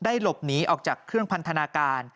หลบหนีออกจากเครื่องพันธนาการ